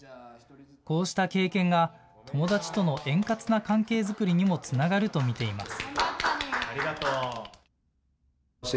こうした経験が友達との円滑な関係作りにもつながると見ています。